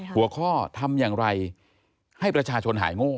หัวข้อทำอย่างไรให้ประชาชนหายโง่